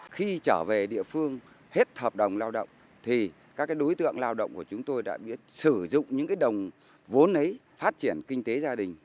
khi trở về địa phương hết hợp đồng lao động thì các đối tượng lao động của chúng tôi đã biết sử dụng những đồng vốn ấy phát triển kinh tế gia đình